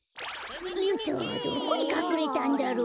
んっとどこにかくれたんだろう。